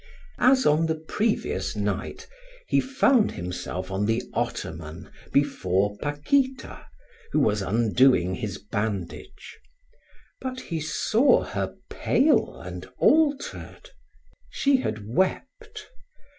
As on the previous night, he found himself on the ottoman before Paquita, who was undoing his bandage; but he saw her pale and altered. She had wept.